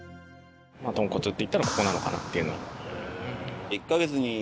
豚骨っていったらここなのかなっていうのは。